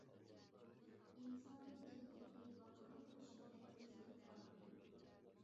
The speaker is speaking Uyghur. ئىنسانىيەت جەمئىيىتى ۋاقىتنىڭ ئۆتۈشى بىلەن ئۆزگىرىپ بارىدۇ.